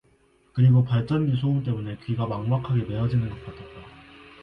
그리고 발전기 소음 때문에 귀가 막막하게 메어지는 것 같았다.